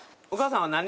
お母さんは。